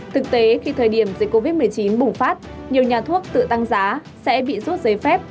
thực tế khi thời điểm dịch covid một mươi chín bùng phát nhiều nhà thuốc tự tăng giá sẽ bị rút giấy phép